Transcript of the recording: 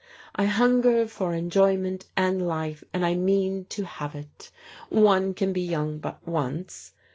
I hunger for enjoyment and life, and I mean to have it. One can be young but once.